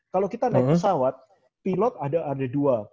kalau kita naik pesawat pilot ada dua